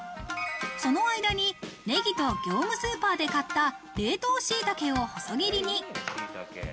その間に、ネギと業務スーパーで買った冷凍しいたけを細切りに。